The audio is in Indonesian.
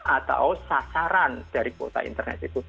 atau sasaran dari kuota internet itu